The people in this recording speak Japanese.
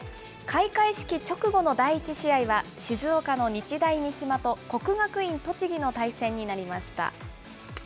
開会式直後の第１試合は、静岡の日大三島と国学院栃木の対戦となりました。